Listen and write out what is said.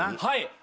はい。